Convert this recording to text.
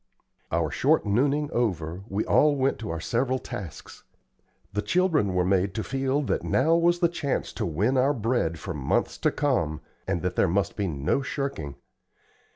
Our short nooning over, we all went to our several tasks. The children were made to feel that now was the chance to win our bread for months to come, and that there must be no shirking.